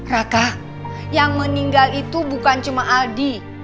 raka yang meninggal itu bukan cuma aldi